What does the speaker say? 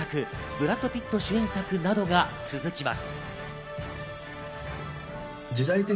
原作ブラッド・ピット主演作などが続きます。